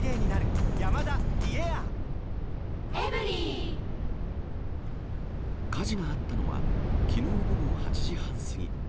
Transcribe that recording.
きのうの夜には、火事があったのは、きのう午後８時半過ぎ。